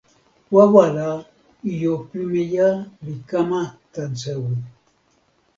wawa la, ijo pimeja li kama tan sewi.